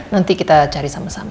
nanti kita cari sama sama